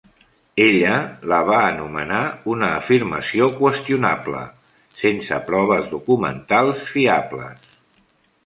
Ella la va anomenar una "afirmació qüestionable" sense proves documentals fiables.